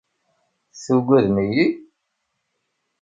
Tuggadem-iyi?